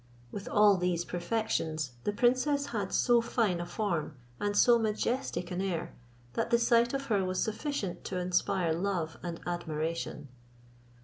With all these perfections the princess had so fine a form, and so majestic an air, that the sight of her was sufficient to inspire love and admiration.